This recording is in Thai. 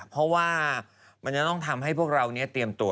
เพราะว่ามันจะต้องทำให้พวกเราเนี่ยเตรียมตัว